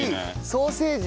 ソーセージ。